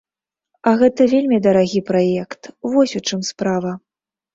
А гэта вельмі дарагі праект, вось у чым справа!